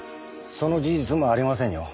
その事実もありませんよ。